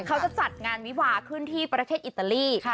เขาจะจัดงานวิวาขึ้นที่ประเทศอิตาลี